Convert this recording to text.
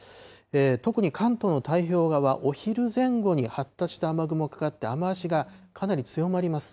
特に関東の太平洋側、お昼前後に発達した雨雲かかって、雨足がかなり強まります。